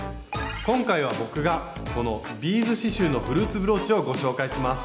今回は僕がこのビーズ刺しゅうのフルーツブローチをご紹介します。